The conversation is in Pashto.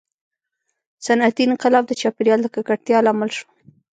• صنعتي انقلاب د چاپېریال د ککړتیا لامل شو.